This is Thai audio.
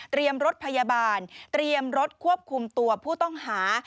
รถพยาบาลเตรียมรถควบคุมตัวผู้ต้องหา